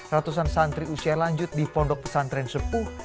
ratusan santri usia lanjut di pondok pesantren serpuh